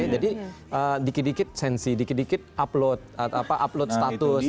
jadi dikit dikit sensi dikit dikit upload status